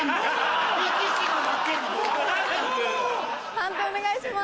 判定お願いします。